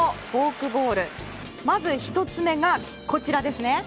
まず１つ目がこちらですね。